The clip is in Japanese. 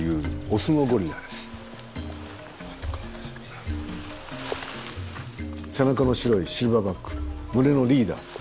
背中の白いシルバーバック群れのリーダー。